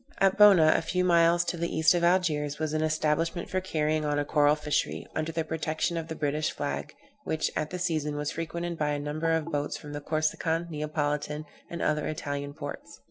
At Bona, a few miles to the east of Algiers, was an establishment for carrying on a coral fishery, under the protection of the British flag, which, at the season, was frequented by a great number of boats from the Corsican, Neapolitan, and other Italian ports.